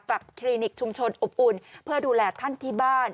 คลินิกชุมชนอบอุ่นเพื่อดูแลท่านที่บ้าน